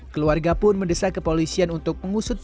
keluarga pun mendesak kepolisian untuk mengusut